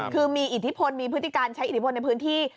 คือมีอิทธิพลมีพฤติการใช้อิทธิพลในพื้นที่